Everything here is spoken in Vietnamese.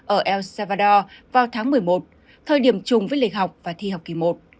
ở el salvador vào tháng một mươi một thời điểm chung với lịch học và thi học kỳ một